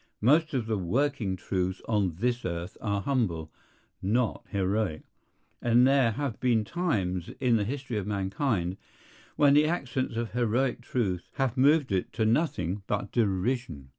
Most of the working truths on this earth are humble, not heroic; and there have been times in the history of mankind when the accents of heroic truth have moved it to nothing but derision.